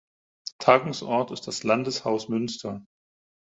Tagungsort ist das Landeshaus Münster.